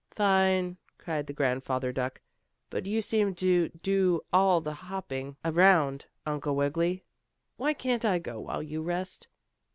"Fine!" cried the grandfather duck. "But you seem to do all the hopping around, Uncle Wiggily. Why can't I go, while you rest?"